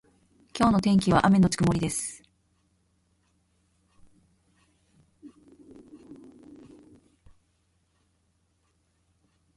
今日の天気は雨のち曇りです。